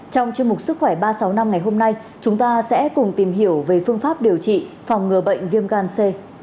trong chương mục sức khỏe ba trăm sáu mươi năm ngày hôm nay chúng ta sẽ cùng tìm hiểu về phương pháp điều trị phòng ngừa bệnh viêm gan c